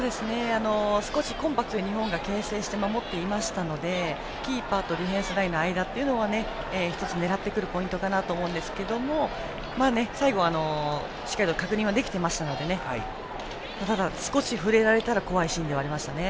少しコンパクトに日本がけん制して守っていましたのでキーパーとディフェンスラインの間は１つ、狙ってくるポイントかと思いますが最後、しっかりと確認はできていましたのでただ、少し触れられたら怖いシーンではありましたね。